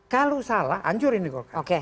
kalau salah hancurin di kolkar